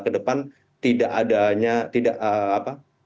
kita ke depan tidak adanya tidak apa